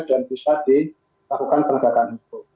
dan bisa dilakukan peragakan hukum